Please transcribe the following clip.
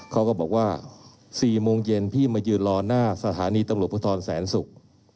เขาก็บอกว่า๔โมงเย็นพี่มายืนรอหน้าสถานีตำรวจภูทรแสนศุกร์